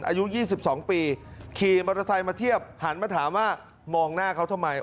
อายุ๒๒ปีขี่มอเตอร์ไซค์มาเทียบหันมาถามว่ามองหน้าเขาทำไม